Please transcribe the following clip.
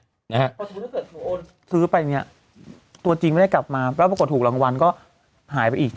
เพราะสมมุติถ้าเกิดซื้อไปเนี่ยตัวจริงไม่ได้กลับมาแล้วปรากฏถูกรางวัลก็หายไปอีก